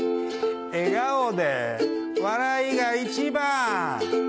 笑顔で笑いが一番！